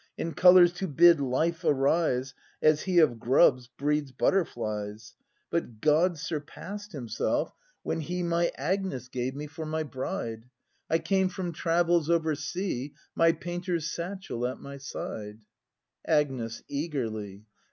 In colours to bid life arise, As He of grubs breeds butterflies. But God surpass'd himself when He 32 BRAND [act i My Agnes gave me for my bride! I came from travels over sea. My painter's satchel at my side Agnes. [Eagerly.